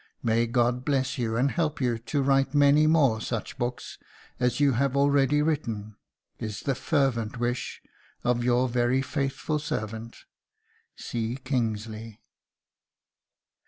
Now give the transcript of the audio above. May God bless you, and help you to write many more such books as you have already written, is the fervent wish of your very faithful servant, "C. KINGSLEY."